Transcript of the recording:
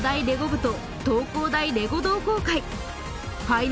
部と東工大レゴ同好会